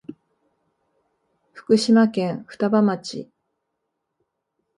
福島県双葉町